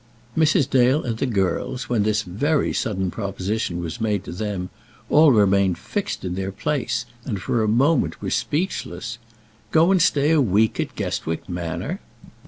Mrs. Dale and the girls, when this very sudden proposition was made to them, all remained fixed in their places, and, for a moment, were speechless. Go and stay a week at Guestwick Manor!